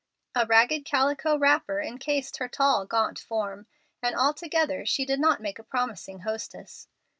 A ragged calico wrapper incased her tall, gaunt form, and altogether she did not make a promising hostess.